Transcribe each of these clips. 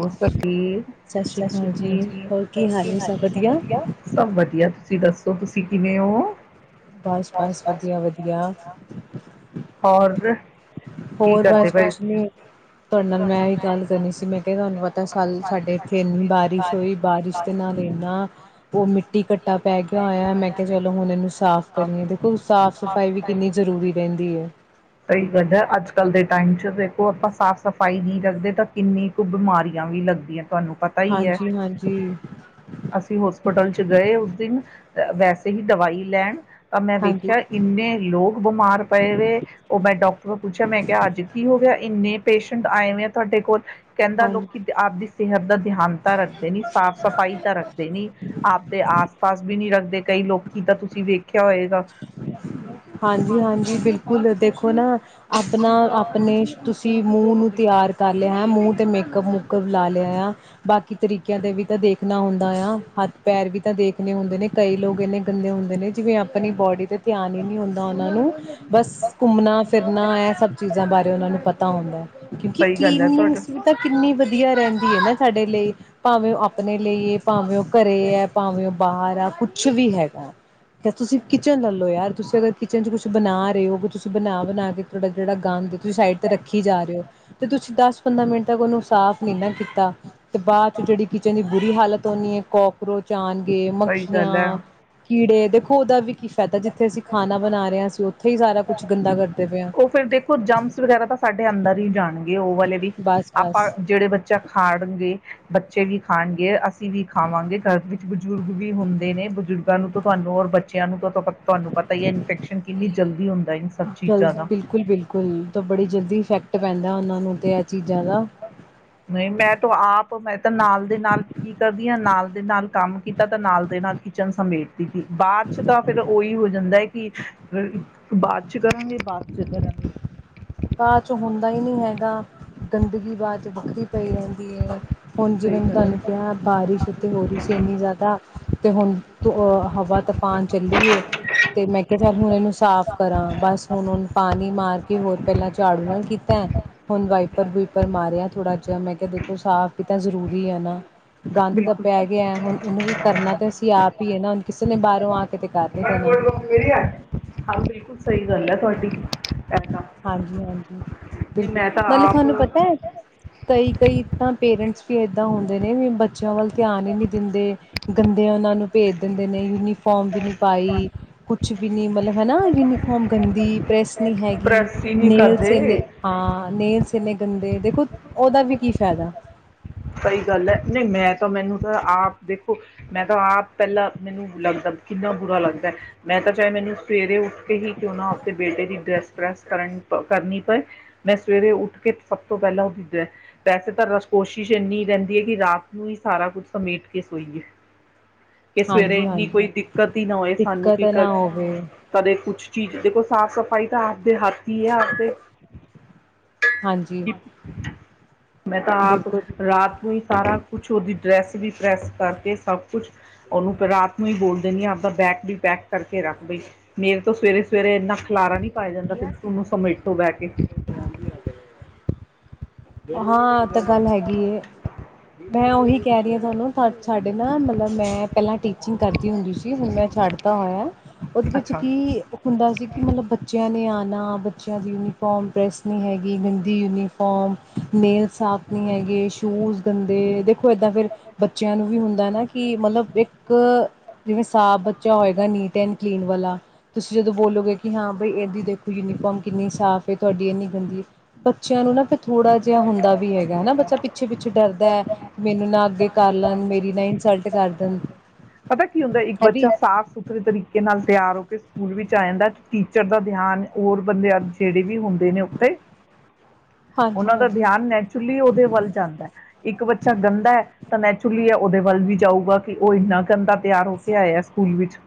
ਹੋ ਸਤੀ ਸ਼੍ਰੀ ਸਤਿ ਸ੍ਰੀ ਅਕਾਲ ਜੀ, ਹੋਰ ਕੀ ਜੀ ਨੇ ਸਭ ਹਾਲ ਵਧੀਆ ਸਭ ਵਧੀਆ ਤੁਸੀਂ ਦੱਸੋ ਤੁਸੀਂ ਕਿਵੇਂ ਹੋ ਬਸ, ਬਸ ਵਧੀਆ, ਵਧੀਆ ਹੋਰ ਹੋਰ ਬਸ ਕੁਛ ਨੀ ਤੁਹਾਡੇ ਨਾਲ ਮੈਂ ਵੀ ਗੱਲ ਕਰਨੀ ਸੀ ਮੈਂ ਕਿਹਾ ਤੁਹਾਨੂੰ ਪਤਾ ਸਾਲ ਸਾਡੇ ਇੱਥੇ ਇੰਨੀ ਬਾਰਿਸ਼ ਹੋਈ ਬਾਰਿਸ਼ ਦੇ ਨਾਲ ਇੰਨਾ ਉਹ ਮਿੱਟੀ ਕੱਟਾ ਪੈ ਗਿਆ ਹੋਇਆ, ਮੈਂ ਕਿਹਾ ਚਲੋ ਹੁਣ ਇਹਨੂੰ ਸਾਫ਼ ਕਰੀਏ ਦੇਖੋ ਸਾਫ਼ ਸਫ਼ਾਈ ਵੀ ਕਿੰਨੀ ਜ਼ਰੂਰੀ ਰਹਿੰਦੀ ਹੈ। ਕਾਲ ਦੇ ਟਾਈਮ ਦੇਖੋ ਆਪਾਂ ਸਾਫ਼ ਸਫ਼ ਪਾਈ ਨਹੀਂ ਰੱਗਦੇ ਤਾਂ ਕਿੰਨੀ ਕੁ ਬਿਮਾਰ ਵੀ ਲੱਗਦੀਆਂ ਤੁਹਾਨੂੰ ਪਤਾ ਹੀ ਹੈ ਹਾਂਜੀ-ਹਾਂਜੀ, ਅਸੀਂ ਹੋਸਪਿਟਲ ਚ ਗਏ ਉਸ ਦਿਨ ਵੈਸੇ ਹੀ ਦਵਾਈ ਲੈਣ ਤਾਂ ਮੈਂ ਵੇਖਿਆ ਹਾਂਜੀ-ਹਾਂਜੀ ਇੰਨੇ ਲੋਕ ਬਿਮਾਰ ਪਏ ਵਏ ਉਹ ਮੈਂ ਡਾਕਟਰ ਤੋਂ ਪੁੱਛਿਆ ਮੈਂ ਕਿਹਾ ਅੱਜ ਕੀ ਹੋ ਗਿਆ ਇੰਨੇ ਪੇਸ਼ੈਂਟ ਆਏ ਹੋ ਆ। ਤੁਹਾਡੇ ਕੋਲ ਕਹਿੰਦਾ ਲੋਕ ਆਪਦੀ ਸਿਹਤ ਦਾ ਧਿਆਨ ਤਾਂ ਰੱਖਦੇ ਨੀ ਸਾਫ ਸਫਾਈ ਤਾਂਾ ਰੱਖਦੇ ਨੀ ਆਪਦੇ ਆਸ ਪਾਸ ਵੀ ਨੀ ਰੱਖਦੇ ਕਈ ਲੋਕੀ ਤਾਂ ਤੁਸੀਂ ਵੇਖਿਆ ਹੋਏਗਾ। ਹਾਂਜੀ-ਹਾਂਜੀ ਬਿਲਕੁਲ ਦੇਖੋ ਨਾ ਆਪਣਾ ਆਪਣੇ ਤੁਸੀਂ ਨੂੰ ਤਿਆਰ ਹੈ ਮੂੰਹ ਤੇ ਮੇਕਅਪ ਮੁੂਕਅਪ ਲਾ ਲ ਬਾਕੀ ਤਰੀਕਿਆਂ ਦੇ ਵੀ ਤਾਂ ਦੇਖਣਾ ਹੁੰਦਾ ਆ ਹੱਥ ਪੈਰ ਵੀ ਤਾਂ ਦੇਖਣੇ ਹੁੰਦੇ ਨੇ ਕਈ ਲੋਕ ਇੰਨੇ ਗੰਦੇ ਹੁੰਦੇ ਨੇ ਜਿਵੇਂ ਆਪਣੀ ਬੋਡੀ ਤੇ ਧਿਆਨ ਹੀ ਨਹੀਂ ਹੁੰਦਾ ਉਹਨਾਂ ਨੂੰ ਬਸ ਘੁੰਮਣਾ ਫਿਰਨਾ ਇਹ ਸਭ ਚੀਜ਼ਾਂ ਬਾਰੇ ਉਹਨਾਂ ਨੂੰ ਪਤਾ ਹੁੰਦਾ ਕਿਉਂਕਿ, ਸਹੀ ਗੱਲ ਕਲੀਨ ਨੈਸ ਵੀ ਤਾਂ ਕਿੰਨੀ ਵਧੀਆ ਰਹਿੰਦੀ। ਐਹੀ ਐ ਨਾ ਸਾਡੇ ਲਈ ਭਾਵੇਂ ਉਹ ਆਪਣੇ ਲਈ ਹੈ ਭਾਵੇਂ ਉਹ ਘਰੇ ਹੈ ਭਾਵੇਂ ਉਹ ਬਾਹਰ ਆ ਕੁਛ ਕੁਛ ਵੀ ਹੈਗਾ ਤੇ ਤੁਸੀਂ ਕਿਚਨ ਲੈ ਲਓ ਯਾਰ ਤੁਸੀਂ ਅਗਰ ਕਿਚਨ ਚ ਕੁਛ ਬਣਾ ਰਹੇ ਹੋ ਕਿ ਤੁਸੀਂ ਬਣਾ ਬਣਾ ਕੇ ਤੁਹਾਡਾ ਜਿਹੜਾ ਗੰਦ ਤੁਸੀਂ ਸਾਈਡ ਤੇ ਰੱਖੀ ਜਾ ਰਹੇ ਔ, ਤੁਸੀਂ ਦਸ ਪੰਦਰਾਂ ਮਿੰਟ ਤੱਕ ਉਹਨੂੰ ਸਾਫ਼ ਨਹੀਂ ਨਾ ਕੀਤਾ ਤੇ ਬਾਅਦ ਚ ਜਿਹੜੀ ਕਿਚਨ ਦੀ ਬੁਰੀ ਹਾਲਤ ਹੋਣੀ ਹੈ, ਕੋਕਰੋਚ ਆਉਣਗੇ ਸਹੀ ਗੱਲ ਹੈ। ਮੱਖੀਆਂ ਕੀੜੇ ਦੇਖੋ ਉਹਦਾ ਵੀ ਕੀ ਫਾਇਦਾ ਜਿੱਥੇ ਅਸੀਂ ਖਾਣਾ ਬਣਾ ਰਹੇ ਅਸੀ ਉੱਥੇ ਹੀ ਸਾਰਾ ਕੁਛ ਗੰਦਾ ਕਰਦੇ ਪਏ ਹਾਂ। ਉਹ ਫਿਰ ਦੇਖੋ ਜਮਸ ਵਗੈਰਾ ਤਾਂ ਸਾਡੇ ਅੰਦਰ ਹੀ ਜਾਣਗੇ ਉਹ ਵਾਲੇ ਵੀ ਬਸ ਆਪਾਂ ਬਸ ਜਿਹੜੇ ਬੱਚਾ ਖਾਣਗੇ ਬੱਚੇ ਵੀ ਖਾਣਗੇ ਅਸੀਂ ਵੀ ਖਾਵਾਂਗੇ ਘਰ ਵਿੱਚ ਬਜ਼ੁਰਗ ਵੀ ਹੁੰਦੇ ਨੇ ਬਜ਼ੁਰਗਾਂ ਨੂੰ ਤਾਂ ਤੁਹਾਨੂੰ ਔਰ ਬੱਚਿਆਂ ਨੂੰ ਤਾਂ ਤੁਹਾਨੂੰ ਪਤਾ ਹੀ ਹੈ ਇਨਫੈਕਸ਼ਨ ਕਿੰਨੀ ਜਲਦੀ ਹੁੰਦੀ ਜਲਦ ਬਿਲਕੁਲ ਬਿਲਕੁਲ ਤਾਂ ਬੜੀ ਜਲਦੀ ਇਫੈਕਟ ਪੈਂਦਾ ਉਹਨਾਂ ਨੂੰ ਅਤੇ ਇਹ ਚੀਜ਼ਾਂ ਦਾ ਮੈਂ ਤਾਂ ਆਪ ਮੈਂ ਤਾਂ ਨਾਲ ਦੇ ਨਾਲ ਕੀ ਕਰਦੀ ਹਾਂ ਨਾਲ ਦੇ ਨਾਲ ਕੰਮ ਕੀਤਾ ਤਾਂ ਨਾਲ ਦੇ ਨਾਲ ਕਿਚਨ ਸਮੇਟਦੀ ਸੀ ਬਾਅਦ ਚ ਤਾਂ ਫਿਰ ਉਹੀ ਹੋ ਜਾਂਦਾ ਹੈ, ਕਿ ਫਿਰ ਬਾਦ ਅਛੀ ਕਰਾਂਗੇ ਬਾਦ ਚ ਕਰਾਂਗੇ। ਬਾਦ ਚ ਹੁੰਦਾ ਹੀ ਨਹੀਂ ਹੈਗਾ। ਗੰਦਗੀ ਬਾਅਦ ਚ ਵੱਖਰੀ ਪਈ ਰਹਿੰਦੀ ਹੈ ਹੁਣ ਸਹੀ ਜਿਵੇਂ ਗੱਲ ਹੈ। ਤੁਹਾਨੂੰ ਕਿਹਾ ਬਾਰਿਸ਼ ਤੇ ਹੋ ਰਹੀ ਸੀ ਇੰਨੀ ਜ਼ਿਆਦਾ ਤੇ ਹੁਣ ਅ ਹਵਾ ਤੂਫਾਨ ਚੱਲੀ ਐ ਤੇ ਮੈਂ ਕਿਹਾ ਚੱਲ ਹੁਣ ਇਹਨੂੰ ਸਾਫ਼ ਕਰਾਂ ਬਸ ਹੁਣ ਪਾਣੀ ਮਾਰ ਕੇ ਹੋਰ ਝਾੜੂ ਨਾਲ ਕੀਤਾ ਐ। ਪਰ ਬਾਇਪਰ ਮਾਰਿਆ ਥੋੜਾ ਅੱਜ ਮੈਂ ਕਿਹਾ ਦੇਖੋ ਸਾਫ਼ ਹੀ ਤਾਂ ਜ਼ਰੂਰੀ ਹੈ ਨਾ ਗੰਦ ਤਾਂ ਬਿਲਕੁਲ। ਪੈ ਹਾਂ ਗਿਆ ਹੁਣ ਇਹਨੂੰ ਵੀ ਕਰਨਾ ਤਾਂ ਅਸੀਂ ਆਪ ਹੀ ਹੈ, ਨਾ ਹੁਣ ਕਿਸੇ ਨੇ ਬਾਹਰੋਂ ਆ ਕੇ ਤੇ ਕਰ ਨੀ ਦੇਣਾ। ਬਿਲਕੁਲ ਸਹੀ ਗੱਲ ਹੈ ਤੁਹਾਡੀ ਐਦਾ, ਹਾਂਜੀ ਹਾਂਜੀ ਬਿਲਕੁਲ ਨਾਲੇ ਤੁਹਾਨੂੰ ਪਤਾ ਹੈ, ਕਈ ਕਈ ਤਾਂ ਪੇਰੈਂਟਸ ਵੀ ਏਦਾਂ ਹੁੰਦੇ ਨੇ ਵੀ ਬੱਚਿਆਂ ਵੱਲ ਧਿਆਨ ਹੀ ਨਹੀਂ ਦਿੰਦੇ ਗੰਦੇ ਉਹਨਾਂ ਨੂੰ ਭੇਜ ਦਿੰਦੇ ਨੇ ਯੂਨੀਫਾਰਮ ਵੀ ਨੀ ਪਾਈ ਕੁਛ ਵੀ ਨੀ ਮਤਲਬ ਹਨਾ। ਗੰਦੀ ਪ੍ਰੈਸ ਨਹੀਂ ਹੈਗੀ ਪ੍ਰੈਸ ਹੀ ਨਹੀਂ ਨੇਲਸ ਐਨੇ ਕਰਦੇ ਹਾਂ ਨੇਲਸ ਕਿੰਨੇ ਗੰਦੇ ਦੇਖੋ ਉਹਦਾ ਵੀ ਕੀ ਫਾਇਦਾ ਸਹੀ ਗੱਲ ਹੈ, ਮਹੀਨਿਆਂ ਚ ਮੈਨੂੰ ਤਾਂ ਆਪ ਦੇਖੋ ਮੈਂ ਤਾਂ ਆਪ ਪਹਿਲਾਂ ਮੈਨੂੰ ਲੱਗਦਾ ਕਿੰਨਾ ਬੁਰਾ ਲੱਗਦਾ ਮੈਂ ਤਾਂ ਚਾਹੇ ਮੈਨੂੰ ਸਵੇਰੇ ਹੀ ਕਿਉਂ ਨਾ ਆਪਣੇ ਬੇਟੇ ਦੀ ਡਰੈੱਸ ਪ੍ਰੈਸ ਕਰਨ ਕਰਨੀ ਪਏ ਮੈਂ ਸਵੇਰੇ ਉੱਠ ਕੇ ਸਭ ਤੋਂ ਪਹਿਲਾਂ ਉਹਦੀ ਡਰੈਂਸ ਬੈਸੇ ਤਾਂ ਰਸ ਕੋਸ਼ਿ ਕੋਸ਼ਿਸ਼ ਇੰਨੀ ਰਹਿੰਦੀ ਹੈ, ਕਿ ਰਾਤ ਨੂੰ ਹੀ ਸਾਰਾ ਕੁੱਝ ਸਮੇਟ ਕੇ ਸੋਈਏ। ਕਿ ਸਵੇਰੇ ਇੰਨੀ ਹਾਂਜੀ-ਹਾਂਜੀ ਕੋਈ ਦਿੱਕਤ ਹੀ ਨਾ ਹੋਏ ਸਾਨੂੰ ਦਿੱਕਤ ਕਿ ਨਾ ਹੋਵੇ ਕਦੇ ਕੁਛ ਚੀਜ਼ ਦੇਖੋ ਸਾਫ਼ ਸਫ਼ਾਈ ਤਾਂ ਤੇ ਹਾਥੀ ਆ ਆਪਦੇ ਹਾਂਜੀ ਕਿ ਮੈਂ ਤਾਂ ਆਪ ਬਿਲਕੁਲ ਰਾਤ ਰਾ ਨੂੰ ਹੀ ਸਾਰਾ ਕੁਛ ਉਹਦੀ ਡਰੈਸ ਵੀ ਪ੍ਰੈਸ ਓਹੀ ਸਾਰਾ ਕੁਛ ਉਦੀ ਡਰੈੱਸ ਵੀ ਪ੍ਰੈਸ ਕਰਕੇ ਸਭ ਕੁਛ ਉਹਨੂੰ ਰਾਤ ਨੂੰ ਹੀ ਬੋਲ ਦੇਣੀ ਆਪਦਾ ਬੈਗ ਵੀ ਪੈਕ ਕਰਕੇ ਰੱਖ ਦਈ ਮੇਰੇ ਤੋਂ ਸਵੇਰੇ ਸਵੇਰੇ ਇੰਨਾ ਖਲਾਰਾ ਨੀ ਪਾਇਆ ਜਾਂਦਾ ਫਿਰ ਉਹਨੂੰ ਸਮੇਟੋ ਬਹਿ ਕੇ ਹਾਂ ਤਾਂ ਗੱਲ ਹੈਗੀ ਹੈ ਮੈਂ ਉਹੀ ਕਹਿ ਰਹੀ ਹਾਂ ਓ ਹਾ ਇਹ ਤੇ ਗੱਲ ਹੈਗੀ ਹੈ, ਮੈਂ ਉਹੀ ਕਹਿ ਰਹੀ ਆ ਤੁਹਾਨੂੰ ਸਾਡੇ ਨਾ ਮਤਲਬ ਮੈਂ ਪਹਿਲਾਂ ਟੀਚਿੰਗ ਕਰਦੀ ਹੁੰਦੀ ਸੀ ਹੁਣ ਮੈਂ ਛੱਡਤਾਂ ਹੋਇਆ ਉਹਦੇ ਵਿੱਚ ਅੱਛਾ ਕੀ ਹੁੰਦਾ ਸੀ ਕਿ ਮਤਲਬ ਨਿਆਣਾ ਬੱਚਿਆਂ ਨੇ ਆਉਣਾ ਬੱਚਿਆਂ ਦੀ ਯੂਨੀਫਾਰਮ ਪਰੈਸ ਨਹੀ ਹੈਗੀ, ਗੰਦੀ ਯੂਨੀਫਾਰਮ, ਨੇਲ ਸਾਫ ਨਹੀ ਹੈਗੇ, ਸ਼ੂਜ ਗੰਦੇ ਏਦਾਂ ਫਿਰ ਬੱਚਿਆਂ ਨੂੰ ਵੀ ਹੁੰਦਾ ਹੁੰਦਾ ਨਾ ਕਿ ਮਤਲਬ ਇੱਕ ਜਿਵੇਂ ਸਾਫ਼ ਬੱਚਾ ਹੋਏਗਾ ਨੀਟ ਐਂਡ ਕਲੀਨ ਵਾਲਾ। ਤੁਸੀਂ ਜਦੋਂ ਬੋਲੋਗੇ ਕਿ ਹਾਂ। ਏਦੀ ਦੇਖੋ ਯੂਨੀਫਾਰਮ ਕਿੰਨੀ ਸਾਫ਼ ਏ ਤੁਹਾਡੀ ਇੰਨੀ ਗੰਦੀ, ਬੱਚਿਆਂ ਨੂੰ ਨਾ ਫੇਰ ਥੋੜ੍ਹਾ ਜਿਹਾ ਹੁੰਦਾ ਵੀ ਹੈਗਾ ਹੈਾ ਬੱਚਾ ਪਿੱਛੇ ਪਿੱਛੇ ਡਰਦਾ ਹੈ ਮੈਨੂੰ ਨਾ ਅੱਗੇ ਕਾਰ ਲੇਨ ਮੇਰੀ ਨ ਇੰਸੁਲਟ ਕਰ ਦੇਨ ਪਤਾ ਕੀ ਹੁੰਦਾ ਇੱਕ ਬੱਚਾ ਸਾਫ਼ ਸੁਥਰੇ ਤਰੀਕੇ ਨਾਲ ਤਿਆਰ ਹੋ ਕੇ ਸਕੂਲ ਵਿੱਚ ਆ ਜਾਂਦਾ ਟੀਚਰ ਦਾ ਧਿਆਨ ਹੋਰ ਬੰਦੇ ਜਿਹੜੇ ਵੀ ਹੁੰਦੇ ਨੇ ਉੱਤੇ ਉਹਨਾਂ ਦਾ ਔਰ ਬੰਦੇ ਜੇੜੇ ਵੀ ਹੁੰਦੇ ਨੇ ਓਥੇ ਹਾਂਜੀ ਉਨਾ ਦਾ ਹਾਂਜੀ ਧਿਆਨ ਨੈਚੁਰਲੀ ਉਹਦੇ ਵੱਲ ਜਾਂਦਾ, ਇੱਕ ਬੱਚਾ ਗੰਦਾ ਹੈ ਤਾਂ ਨੈਚੁਰਲੀ ਹੈ ਉਹਦੇ ਵੱਲ ਵੀ ਜਾਊਗਾ ਕਿ ਉਹ ਇੰਨਾ ਗੰਦਾ ਤਿਆਰ ਹੋ ਕੇ ਆਇਆ ਸਕੂਲ ਵਿੱਚ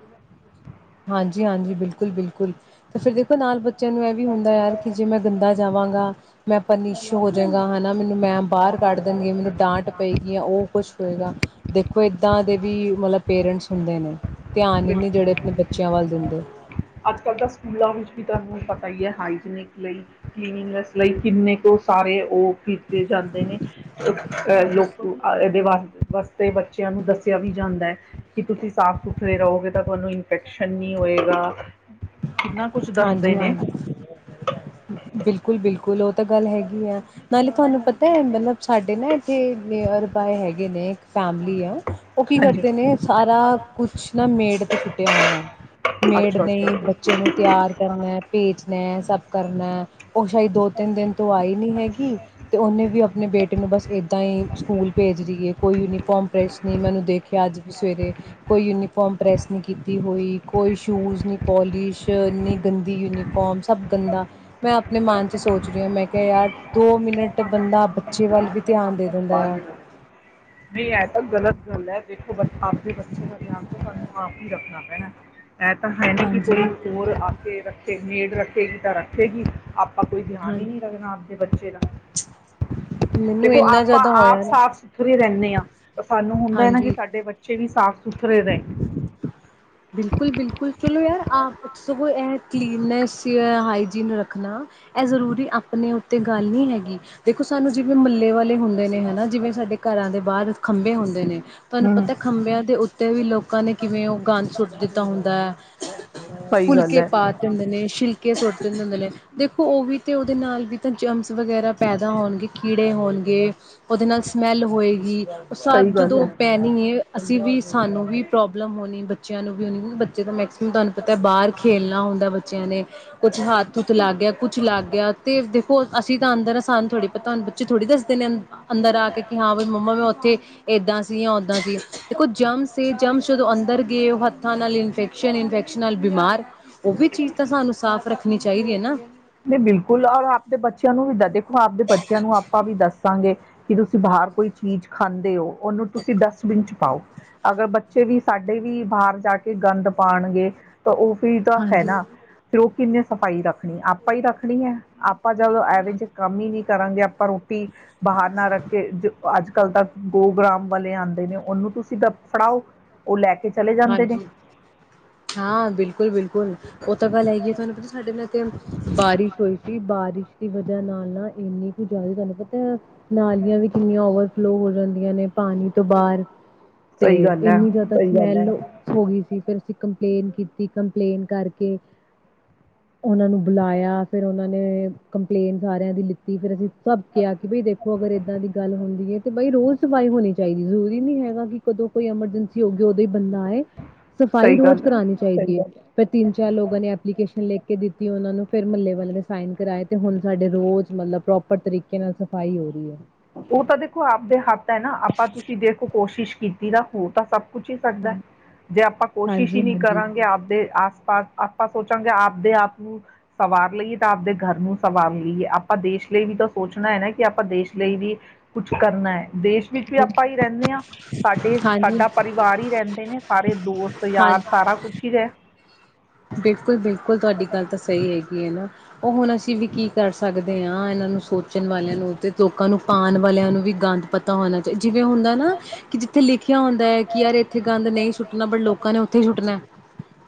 ਬਿਲਕੁਲ ਬਿਲਕੁਲ ਤੇ ਫਿਰ ਦੇਖੋ ਨਾਲ ਬੱਚਿਆਂ ਨੂੰ ਇਹ ਵੀ ਹੁੰਦਾ ਯਾਰ ਕਿ ਜੇ ਮੈਂ ਗੰਦਾ ਜਾਵਾਂਗਾ ਮੈਂ ਪਨਿਸ ਹੋਜਾਂਗਾ ਹਨਾ ਮੈਨੂੰ ਮੈਮ ਬਾਹਰ ਕੱਢ ਦੇਣਗੇ ਮੈਨੂੰ ਡਾਂਟ ਪਏਗੀ ਉਹ ਕੁਛ ਹੋਏਗਾ ਦੇਖੋ ਏਦਾਂ ਦੇ ਵੀ ਮਤਲਬ ਪੇਰੈਂਟਸ ਹੁੰਦੇ ਨੇ ਧਿਆਨ ਹੀ ਨੀ ਜਿਹੜੇ ਆਪਣੇ ਬੱਚੇ ਚਾਵਲ ਦਿੰਦੇ ਅੱਜ ਕੱਲ੍ਹ ਤਾਂ ਸਕੂਲਾਂ ਵਿੱਚ ਵੀ ਤੁਹਾਨੂੰ ਪਤਾ ਹੀ ਹੈ ਹਾਈਜੀਨਿਕ ਲਈ ਕਲੀਨਗਨੈਸ ਲਈ ਕਿੰਨੇ ਕੁ ਸਾਰੇ ਉਹ ਕੀਤੇ ਜਾਂਦੇ ਨੇ ਅਹ ਲੋਕ ਇਹਦੇ ਵਾ ਵਾਸਤੇ ਬੱਚਿਆਂ ਨੂੰ ਦੱਸ ਦੱਸਿਆ ਵੀ ਜਾਂਦਾ ਹੈ ਕਿ ਤੁਸੀਂ ਸਾਫ਼ ਸੁਥਰੇ ਰਹੋਗੇ ਤਾ ਤੁਹਾਨੂੰ ਇਨਫੈਕਸ਼ਨ ਨੀ ਹੋਏਗਾ। ਕਿੰਨਾ ਕੁਛ ਦੱਸਦੇ ਨੇ ਬਿਲਕੁਲ, ਬਿਲਕੁਲ ਉਹ ਤਾਂ ਗੱਲ ਹੈਗੀ ਆ ਨਾਲੇ ਤੁਹਾਨੂੰ ਪਤਾ ਹੈ, ਮਤਲਬ ਸਾਡੇ ਨਾ ਇੱਥੇ ਨਰਬਏ ਹੈਗੇ ਨੇ ਫੈਮਲੀ ਹੈ। ਉਹ ਕੀ ਹਾਂਜੀ ਕਰਦੇ ਨੇ ਸਾਰਾ ਕੁਛ ਨਾ ਮੇਡ ਤੇ ਸੁੱਟ ਹੋਇਆ, ਮੇੜ ਅੱਛਾ ਅੱਛਾ ਨਹੀਂ ਬੱਚੇ ਨੂੰ ਤਿਆਰ ਕਰਨਾ ਭੇਜਣਾ ਸਭ ਕਰਨਾ ਉਹ ਸ਼ਾਇਦ ਦੋ ਤਿੰਨ ਦਿਨ ਤੋਂ ਆਈ ਨਹੀਂ ਹੈਗੀ ਅਤੇ ਉਹਨੇ ਵੀ ਆਪਣੇ ਬੇਟੇ ਨੂੰ ਬਸ ਇੱਦਾਂ ਹੀ ਸਕੂਲ ਭੇਜ ਰਹੀ ਹੈ, ਕੋਈ ਯੂਨੀਫਾਰਮ ਪ੍ਰੈੱਸ ਨਹੀਂ ਮੈਨੂੰ ਦੇਖਿਆ ਅੱਜ ਵੀ ਸਵੇਰੇ ਕੋਈ ਯੂਨੀਫਾਰਮ ਪ੍ਰੈੱਸ ਨਹੀਂ ਕੋਈ ਸ਼ੂਜ ਨੀ ਪਲਿਸ਼ ਇੰਨੀ ਗੰਦੀ ਯੂਨੀਫਾਰਮ ਸਭ ਗੰਦਾ ਮੈਂ ਆਪਣੇ ਮਨ ਚ ਸੋਚ ਰਹੀ ਹਾਂ ਮੈਂ ਕਿਹਾ ਯਾਰ ਦੋ ਮਿੰਟ ਬੰਦਾ ਬੱਚੇ ਵੱਲ ਵੀ ਧਿਆਨ ਦੇ ਦਿੰਦਾ ਆ ਬਾਲ ਗਾਲ ਐ ਦੇਖੋ ਆਪ ਵੀ ਬੱਚੇ ਦਾ ਧਿਆਨ ਸਾਨੂੰ ਆਪ ਹੀ ਰੱਖਣਾ ਪੈਣਾ ਇਹ ਤਾਂ ਹੈ ਨਹੀਂੀ ਕਿ ਹਾਂਜੀ। ਕੋਈ ਹੋਰ ਆ ਕੇ ਰੱਖੇ ਮੈਡ ਰੱਖ ਰੱਖੇਗੀ ਤਾਂ ਰੱਖੇਗੀ ਆਪਾਂ ਕੋਈ ਹਾਂ ਧਿਆਨ ਹੀ ਨਹੀਂ ਰੱਖਣਾ ਆਪਦੇ ਬੱਚੇ ਦਾ ਮੈਨੂੰ ਦੇਖੋ ਇੰਨਾ ਆਪਾਂ ਜ਼ਿਆਦਾ ਆਪ ਹੋਇਆ ਨਾ ਸਾਫ਼ ਸੁਥਰੇ ਰਹਿੰਦੇ ਹਾਂ ਸਾਨੂੰ ਹੁੰਦਾ ਹੈ ਨਾ ਕਿ ਹਾਂਜੀ। ਸਾਡੇ ਬੱਚੇ ਵੀ ਸਾਫ਼ ਸੁਥਰੇ ਰਹੇ ਬਿਲਕੁਲ, ਬਿਲਕੁਲ ਚਲੋ ਯਾਰ ਆਪ ਇਹ ਕਲੀਨੈਸ ਹਾਈਜੀਨ ਰੱਖਣਾ ਇਹ ਜ਼ਰੂਰੀ ਆਪਣੇ ਉੱਤੇ ਗੱਲ ਨਹੀਂ ਹੈਗੀ ਦੇਖੋ ਸਾਨੂੰ ਜਿਵੇਂ ਮਹੱਲੇ ਵਾਲੇ ਹੁੰਦੇ ਨੇ ਹਨਾ ਜਿਵੇਂ ਸਾਡੇ ਘਰਾਂ ਦੇ ਬਾਹਰ ਖੰਭੇ ਹੁੰਦੇ ਨੇ ਤੁਹਾਨੂੰ ਹਮ ਪਤਾ ਖੰਭਿਆਂ ਦੇ ਉੱਤੇ ਵੀ ਲੋਕ ਉਹ ਨੇ ਕਿਵੇਂ ਉਹ ਗੰਦ ਸੁੱਟ ਦਿੱਤਾ ਹੁੰਦਾ ਹੈ ਸੌ [unintelligible] ਰੁਪਏ ਫੁਲਕੇ ਪਾਤੰਦੇ ਨੇ ਸ਼ਿਲਕ ਕੇ ਸੋਟਦੇੁੰ ਹੁੰਦੇ ਦੇਖ ਉਹ ਵੀ ਤੇ ਉਹਦੇ ਨਾਲ ਵੀ ਤਾਂ ਜਮਸ ਵਗੈਰਾ ਪੈਦਾ ਹੋਣਗੇ ਕੀੜ ੜੇ ਹੋਣਗੇ ਉਹਦੇ ਨਾਲ ਸਮੈਲ ਹੋਏਗੀ, ਉਹ ਸ ਸਹੀ ਜਦੋਂ ਪੈਣੀ ਅਸੀਂ ਵੀ ਸਾਨੂੰ ਵੀ ਪ੍ਰੋਬਲਮ ਹੋਣੀ ਬੱਚਿਆਂ ਨੂੰ ਵੀ ਹੋਣੀ ਬੱਚੇ ਤਾਂ ਮੈਕ ਤੁਹਾਨੂੰ ਪਤਾ ਬਾਹਰ ਖੇਲਣਾ ਹੁੰਦਾ ਬੱਚਿਆਂ ਨੇ ਕੁਛ ਹੱਥ ਹੂੱਥ ਲੱਗ ਗਿਆ ਕੁਝ ਲੱਗ ਗਿਆ ਤੇ ਅਸੀਂ ਤਾਂ ਅੰਦਰ ਸਾਨੂੰ ਥੋੜੀ ਪਤਾ ਹੁਣ ਬੱਚੇ ਥੋੜੀ ਦੱਸ ਨੇ ਅੰਦਰ ਆ ਕੇ ਹਾਂ ਵੀ ਮੰਮਾ ਮੈਂ ਉੱਥੇ ਏਦਾਂ ਸੀ ਜਾਂ ਓਦਾਂ ਸੀ ਦੇਖੋ ਜਮਸ ਜਮਸ ਜਦੋਂ ਅੰਦਰ ਗਏ ਉਹ ਹੱਥਾਂ ਨਾਲ ਇਨਫੈਕਸ਼ਨ ਇਨਫੈਕਸ਼ਨ ਨਾਲ ਬਿਮਾਰ ਉਹ ਵੀ ਚੀਜ਼ ਤਾਂ ਸਾਨੂੰ ਸਾਫ਼ ਰੱਖਣੀ ਚਾਹੀਦੀ ਹੈ ਨਾ ਨਹੀਂ ਬਿਲਕੁਲ ਔਰ ਆਪਦੇ ਬੱਚਿਆਂ ਨੂੰ ਵੀ ਦ- ਦੇਖੋ ਆਪਦੇ ਬੱਚਿਆਂ ਨੂੰ ਆਪਾਂ ਵੀ ਦੱਸਾਂਗੇ। ਕੀ ਤੁਸੀਂ ਬਾਹਰ ਕੋਈ ਚੀਜ਼ ਖਾਂਦੇ ਹੋ। ਉਹਨੂੰ ਤੁਸੀਂ ਡਸਟਮੀਨ ਚ ਪਾਓ। ਅਗਰ ਬੱਚੇ ਵੀ ਸਾਡੇ ਵੀ ਬਾਹਰ ਜਾ ਕੇ ਗੰਦ ਪਾਣਗੇ। ਤਾਂ ਉਹ ਫਿਰ ਤਾਂ ਹੈ ਹਾਂਜੀ। ਨਾ ਫਿਰ ਉਹ ਕਿੰਨੇ ਸਫ਼ਾਈ ਰੱਖਣੀ ਆਪਾਂ ਹੀ ਰੱਖਣੀ ਹੈ, ਆਪ ਆਪਾਂ ਜਦੋਂ ਐਵੇ ਚ ਕੰਮ ਹੀ ਵੀ ਕਰਾਂਗੇ ਆਪਾਂ ਆਪਾਂ ਰੋਟੀ ਬਾਹਰ ਨਾ ਰੱਖ ਕੇ ਅੱਜ ਕੱਲ ਤਾਂ ਗੋਗ੍ਰਾਮ ਵਾਲੇ ਆਉਂਦੇ ਨੇ ਉਹਨੂੰ ਤੁਸੀਂ ਦ ਫੜਾਓ। ਉਹ ਲੈ ਕੇ ਚਲੇ ਜਾਂਦੇ ਨੇ ਹਾਂਜੀ ਹਾਂ ਬਿਲਕੁਲ ਬਿਲਕੁਲ ਉਹ ਤਾਂ ਗੱਲ ਹੈਗੀ ਹੈ, ਤੁਹਾਨੂੰ ਪਤਾ ਸਾਡੇ ਨਾਲ ਤੇ ਬਾਰਿਸ਼ ਹੋਈ ਸੀ ਬਾਰਿਸ਼ ਦੀ ਵਜ੍ਹਾ ਨਾਲ ਨਾ ਇੰਨੀ ਕੁ ਜ਼ਿਆਦਾ ਤੁਹਾਨੂੰ ਪਤਾ ਨਾਲੀਆਂ ਵੀ ਕਿੰਨੀਆਂ ਓਵਰਫਲੋ ਹੋ ਜਾਂਦੀਆਂ ਨੇ ਪਾਣੀ ਤੇ ਬਾਰ ਤੇ ਸਹੀ ਗੱਲ ਹੈ ਇਨੀ ਜਿਆਦਾ ਹੋ ਗਈ ਸੀ ਫਿਰ ਅਸੀਂ ਕੰਪਲੇਂਨ ਕੀਤੀ ਕੰਪਲੇਂਨ ਕਰਕੇ ਉਹਨਾਂ ਨੂੰ ਬੁਲਾਇਆ ਫਿਰ ਉਹਨਾਂ ਨੇ ਕੰਪਲੇਨ ਸਾਰਿਆਂ ਦੀ ਲਿੱਤੀ ਫਰ ਅਸੀਂ ਸਭ ਕਿਹਾ ਕਿ ਬਈ ਦੇਖੋ ਅਗਰ ਏਦਾਂ ਦੀ ਗੱਲ ਹੁੰਦੀ ਹੈ, ਤੇ ਬਈ ਰੋਜ਼ ਸਫ਼ਾਈ ਹੋਣੀ ਚਾਹੀਦੀ ਜ਼ਰੂਰੀ ਨੀ ਹੈਗਾ ਕਿ ਕਦੋਂ ਕੋਈ ਐਮਰਜੈਂਸੀ ਹੋਜੇ ਉਦੋਂ ਹੀ ਬੰਦਾ ਹੈਏ ਸਫਾਈ ਸਹੀ ਰੋਜ਼ ਗੱਲ ਕਰਾਣੀ ਹੈ ਚਾਹੀਦੀ ਹੈ, ਫਿਰ ਤਿੰਨ ਚਾਰ ਲੋਕਾਂ ਨੇ ਐਪਲੀਕੇਸ਼ਨ ਲੈ ਕੇ ਦਿੱਤੀ ਉਹਨਾਂ ਨੂੰ ਫਿਰ ਮਹੱਲੇ ਵਾਲੇ ਨੇ ਸਾਈਨ ਕਰਾਏ ਤੇ ਹੁਣ ਸਾਡੇ ਰੋਜ਼ ਮਤਲਬ ਪ੍ਰੋਪਰ ਤਰੀਕੇ ਨਾਲ ਸਫ਼ਾਈ ਹੋ ਰਹੀ ਹੈ। ਉਹ ਤਾਂ ਦੇਖੋ ਆਪਦੇ ਹੱਥ ਹੈ, ਨਾ ਆਪਾਂ ਤੁਸੀਂ ਦੇਖੋ ਕੋਸ਼ਿਸ਼ ਕੀ ਪੁਰਾ ਹੋ ਤਾਂ ਸਭ ਕੁੱਛ ਹੀ ਸਕਦਾ ਜੇ ਆਪਾਂ ਕੋਸ਼ਿਸ਼ ਹੀ ਹਾਂਜੀ ਨਹੀਂ ਹਾਂਜੀ ਕਰਾਂਗੇ ਆਪਦੇ ਆਪਾਂ ਸੋਚਾਂਗੇ ਆਪਦੇ ਆਪ ਨੂੰ ਸਵਾਰ ਲਈਏ ਤਾਂ ਆਪਦੇ ਗਰ ਨੂੰ ਸਵਾਰ ਲਈਏ ਆਪਾਂ ਦੇਸ਼ ਲਈ ਵੀ ਤਾਂ ਸੋਚਣਾ ਹੈ, ਨਾ ਆਪਾਂ ਦੇਸ਼ ਲਈ ਵੀ ਕੁਛ ਕਰਨਾ ਹੈ। ਦੇਸ਼ ਵਿੱਚ ਵੀ ਹਾਂਜੀ ਆਪਾਂ ਹੀ ਰਹਿੰਨੇ ਹਾਂ ਸਾਡੇ ਹਾਂਜੀ ਸਾਡਾ ਪਰਿਵਾਰ ਹੀ ਰਹਿੰਦੇ ਨੇ ਸਾਰੇ ਦੋਸਤ ਯਾਰ ਸਾਰਾ ਕੁਛ ਹੀ ਹੈ। ਬਿਲਕੁਲ ਬਿਲਕੁਲ ਤੁਹਾਡੀ ਗੱਲ ਤਾਂ ਸਹੀ ਹੈਗੀ ਹੈ ਨਾ, ਉਹ ਹੁਣ ਅਸੀਂ ਵੀ ਕੀ ਕਰ ਸਕਦੇ ਹਾਂ, ਇਹਨਾਂ ਨੂੰ ਸੋਚਣ ਵਾਲਿਆਂ ਨੂੰ ਤੇ ਲੋਕਾਂ ਨੂੰ ਪਾਣ ਵਾਲਿਆਂ ਨੂੰ ਵੀ ਗੰਦ ਪਤਾ ਹੋਣਾ ਚਾ ਜਿਵੇਂ ਹੁੰਦਾ ਨਾ ਕਿ ਜਿੱਥੇ ਲਿਖਿਆ ਹੁੰਦਾ ਹੈ, ਕਿ ਯਾਰ ਇੱਥੇ ਗੰਦ ਨਹੀਂ ਸੁੱਟਣਾ ਬਟ ਲੋਕਾਂ ਨੇ ਉੱਥੇ ਹੀ ਸੁੱਟਣਾ,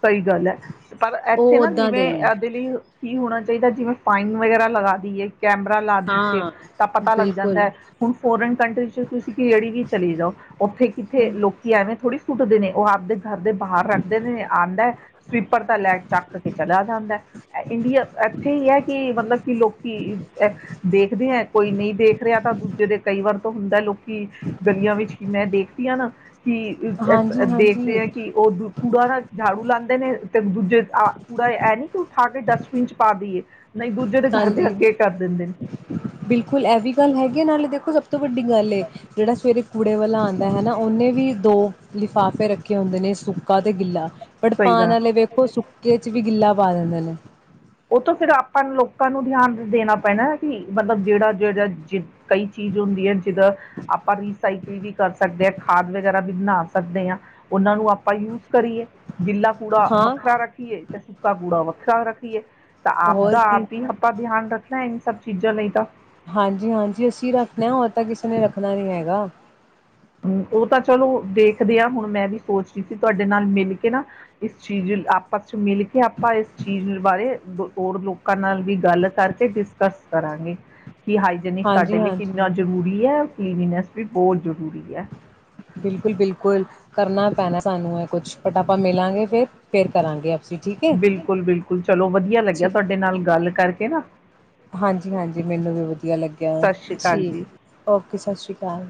ਸਹੀ ਗੱਲ ਹੈ ਪਰ ਉਹ ਇੱਥੇ ਨਾ ਓਦਾਂ ਜਿਵੇਂ ਦੇ ਨੇ। ਇਹਦੇ ਲਈ ਕੀ ਹੋਣਾ ਚਾਹੀਦਾ ਜਿਵੇਂ, ਫਾਈਨ ਵਗੈਰਾ ਲਗਾ ਦੀਏ, ਕੈਮਰਾ ਲਾ ਦਿੱਤੇ ਹਾਂ ਤਾਂ ਪਤਾ ਲੱਗ ਜਾਂਦਾ ਬਿਲਕੁਲ ਹੈ, ਹੁਣ ਫੋਰਨ ਕੰਟਰੀ ਚ ਤੁਸੀਂ ਕਿਹੜੀ ਵੀ, ਜਾ ਉੱਥੇ ਕਿੱਥੇ ਲੋਕੀ ਐਵੇਂ ਥੋੜੀ, ਛੁੱਟ ਦੇ ਨੇ ਉਹ ਆਪਦੇ, ਘਰ ਦੇ ਬਾਹਰ ਰੱਖਦੇ ਨੇ ਆਦਾ ਸਵੀਪਰ ਦਾ ਲੈਟ ਚੱਕ ਕੇ ਚਲਾ ਜਾਂਦਾ ਇੰਡੀਆ ਇੱਥੇ ਹੀ ਹੈ, ਕਿ ਮਤਲਬ ਕਿ ਲੋਕੀ ਦੇਖਦੇ ਹੈ, ਕੋਈ ਨਹੀਂ ਦੇਖ ਰਿਹਾ ਤਾਂ ਦੂਜੇ ਦੇ ਕਈ ਵਾਰ ਹੁੰਦਾ ਲੋਕੀ, ਗਲੀਆਂ ਵਿੱਚ ਕਿ ਮੈਂ ਦੇਖਦੀ ਹਾਂ ਨਾ, ਕਿ ਅ ਦੇਖਦੇ ਹਾਂਜੀ-ਹਾਂਜੀ, ਆ ਕਿ ਉਹ ਕੂੜਾ ਨਾ ਝਾੜੂ ਲਾਂਦੇ ਨੇ ਤੇ ਦੂਜੇ ਕੂੜਾ ਇਹ ਨੀ ਕਿ ਉਠਾ ਕੇ ਡਸਟਬਿਨ ਚ ਪਾ ਦੇਈਏ। ਹਾਂਜੀ ਬਿਲਕੁਲ ਇਹ ਵੀ ਗੱਲ ਹੈਗੀ ਆ ਨਾਲੇ ਦੇਖੋ ਸਭ ਤੋਂ ਵੱਡੀ ਗੱਲ ਹੈ, ਜਿਹੜਾ ਸਵੇਰੇ ਕੁੂੜੇ ਵਾਲਾ ਆਦਾ ਹੈ, ਨਾ ਉਹਨੇ ਵੀ ਦੋ ਲਿਫਾਫੇ ਰੱਖੇ ਹੁੰਦੇ ਨੇ ਸੁੱਕਾ ਤੇ ਗਿੱਲਾ, ਬਟ ਸਹੀ ਪਾਣ ਗੱਲ ਵਾਲੇ ਵੇਖੋ ਸੁੱਕੇ ਚ ਵੀ ਗਿੱਲਾ ਪਾ ਦਿੰਦੇ ਨੇ, ਉਹ ਤੋਂ ਫਿਰ ਆਪਾਂ ਲੋਕਾਂ ਨੂੰ ਧਿਆਨ ਦੇਣਾ ਪੈਣਾ ਕਿ ਮਤਲਬ ਜਿਹੜਾ ਜਿਹੜਾ ਜ ਕਈ ਚੀਜ਼ ਹੁੰਦੀ ਹੈ ਜਿੱਦਾਂ ਆਪਾਂ ਰੀਸਾਈਕਲ ਵੀ ਕਰ ਸਕਦੇ ਹਾਂ ਖਾਦ ਵਗੈਰਾ ਵੀ ਬਣਾ ਸਕ ਸਕਦੇ ਹਾਂ ਉਹਨਾਂ ਨੂੰ ਆਪਾਂ ਯੂਜ ਕਰੀਏ। ਗਿੱਲਾ ਕੂੜਾ ਹਾਂ ਵੱਖਰਾ ਰੱਖੀਏ ਤੇ ਸੁੱਕਾ ਕੂੜਾ ਵੱ ਸੌ ਰੱਖ, ਕੀ ਐ, ਤਾਂ ਹੋਰ ਆਪਾ ਕੀ ਆਪ ਹੀ ਆਪਾਂ ਧਿਆਨ ਰੱਖਣਾ। ਸਭ ਚੀਜ਼ਾਂ ਲਈ ਤਾਂ ਹਾਂਜੀ -ਹਾਂਜੀ ਅਸੀਂ ਰੱਖਦੇ ਹਾਂ ਤਾਂ ਕਿਸੇ ਨੇ ਰੱਖਣਾ ਨੀ ਹੈਗਾ। ਉਹ ਤਾਂ ਚਲੋ, ਦੇਖਦੇ ਹਾਂ ਹੁਣ ਮੈਂ ਵੀ ਸੋਚ ਰਹੀ ਸੀ ਤੁਹਾਡੇ ਨਾਲ ਮਿਲ ਕੇ ਨਾ ਇਸ ਚੀਜ਼ ਆਪਸ ਮਿਲ ਕੇ ਆਪਾਂ ਇਸ ਚੀਜ਼ ਬਾਰੇ ਹੋਰ ਲੋਕ ਲੋਕਾਂ ਨਾਲ ਵੀ ਗੱਲ ਕਰਕੇ ਡਿਸਕਸ ਕਰਾਂਗੇ, ਕਿ ਹਾਈਜਨਿਕ ਹਾਂਜੀ ਸਾਡੇ ਲਈ ਕਿੰਨਾ ਹਾਂਜੀ ਜ਼ਰੂਰੀ ਹੈ ਇਹਨਾਂ ਫਿਰ ਬੋਲ ਜਦੋ। [inaudible] ਹੈ ਬਿਲਕੁਲ-ਬਿਲਕੁਲ ਕਰਨਾ ਪੈਣਾ ਸਾਨੂੰ ਏਹ ਕੁਛ ਬਟ ਆਪਾਂ ਮਿਲਾਂਗੇ ਫੇਰ, ਫੇਰ ਕਰਾਂਗੇਾਂ ਬਿਲਕੁਲ-ਬਿਲਕੁਲ ਚਲੋ ਵਧੀਆ ਲੱਗਿਆ ਤੁਹਾਡੇ ਨਾਲ ਗੱਲ ਕਰਕੇ ਨਾ ਹਾਂਜੀ-ਹਾਂਜੀ ਮੈਨੂੰ ਵੀ ਵਧੀਆ ਲੱਗਿਆ ਸਤਿ ਸ਼੍ਰੀ ਅਕਾਲ ਠੀਕ, ਜੀ ਓਕੇ ਸਤਿ ਸ਼੍ਰੀ ਅਕਾਲ।